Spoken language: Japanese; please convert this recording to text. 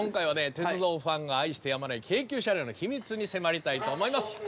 鉄道ファンが愛してやまない京急車両の秘密に迫りたいと思います。